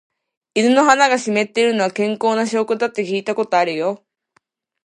犬の鼻が湿っているのは、健康な証拠だって聞いたことあるよ。